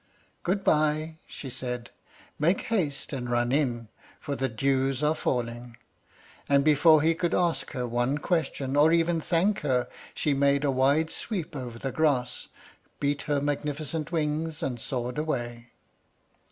"Good by!" she said; "make haste and run in, for the dews are falling"; and before he could ask her one question, or even thank her, she made a wide sweep over the grass, beat her magnificent wings, and soared away.